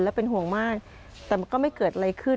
และเป็นห่วงมากแต่มันก็ไม่เกิดอะไรขึ้น